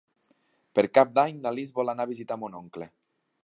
Per Cap d'Any na Lis vol anar a visitar mon oncle.